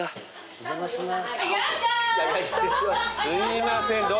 お邪魔します。